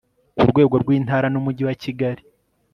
ku rwego rw intara n umujyi wa kigali